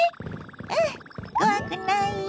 うん怖くないよ！